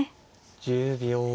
１０秒。